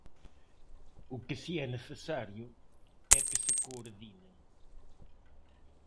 O que si é necesario é que se coordinen.